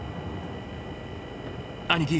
兄貴